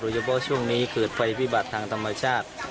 เฉพาะช่วงนี้เกิดไฟวิบัติทางธรรมชาติ